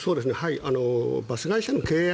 バス会社の経営